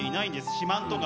四万十川。